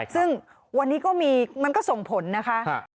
ซึ่งวันนี้ก็มีมันก็ส่งผลนะคะ